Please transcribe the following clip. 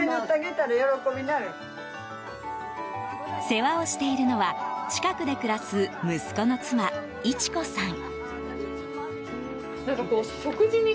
世話をしているのは近くで暮らす息子の妻一子さん。